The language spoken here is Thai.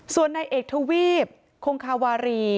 ส่วนนายเอกทวีปคงคาวารี